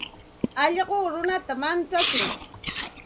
Alluqu runata manchatsin.